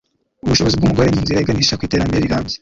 ubushobozi bw'umugore n'inzira iganisha ku iterambere rirambye.